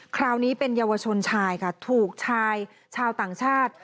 คราวนี้เป็นเยาวชนชายค่ะถูกชายชาวต่างชาติ